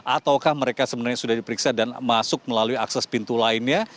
ataukah mereka sebenarnya sudah diperiksa dan masuk melalui akses pintu lainnya